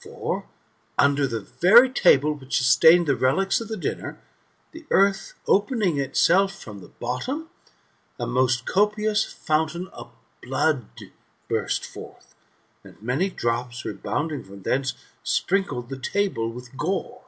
For, under the very table which sustained the relics of the dinner, the earth opening itself from the bottom, a most copious fountain of blood burst forth; and many drops rebounding from thence, sprinkled the table with gore.